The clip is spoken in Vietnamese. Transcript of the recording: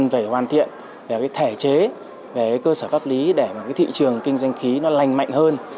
hoàn thiện về thể chế về cơ sở pháp lý để thị trường kinh doanh khí lành mạnh hơn